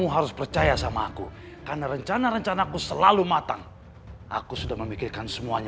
harus percaya sama aku karena rencana rencana aku selalu matang aku sudah memikirkan semuanya